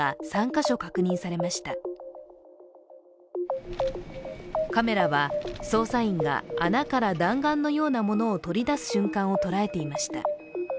カメラは、捜査員が穴から弾丸のようなものを取り出す瞬間を捉えていました。